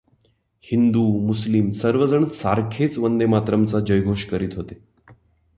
हिदू मुस्लिम सर्वजण सारखेच वंदे मातरम् चा जयघोष करीत होते.